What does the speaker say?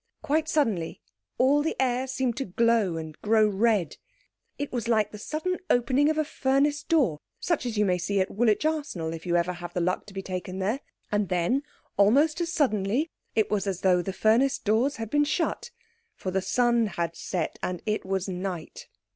Quite suddenly all the air seemed to glow and grow red—it was like the sudden opening of a furnace door, such as you may see at Woolwich Arsenal if you ever have the luck to be taken there—and then almost as suddenly it was as though the furnace doors had been shut. For the sun had set, and it was night.